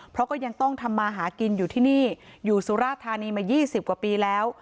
เพราะก็ยังต้องทำมาหากินอยู่ที่นี่อยู่สุราธานีมา๒๐กว่าปีแล้ว